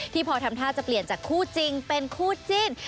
พอทำท่าจะเปลี่ยนจากคู่จริงเป็นคู่จิ้น